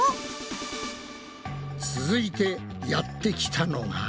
続いてやってきたのが。